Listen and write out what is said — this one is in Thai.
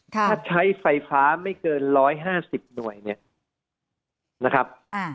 ถ้าใช้ไฟฟ้าไม่เกิน๑๕๐หน่วยเนี่ยนะครับ